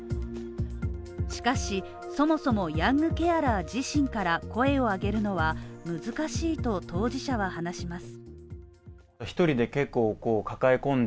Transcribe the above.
しかし、そもそもヤングケアラー自身から声を上げることは難しいと当事者は話します。